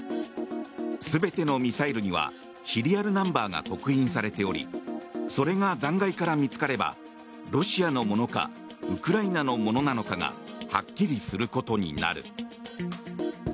全てのミサイルにはシリアルナンバーが刻印されておりそれが残骸から見つかればロシアのものかウクライナのものなのかがはっきりすることになる。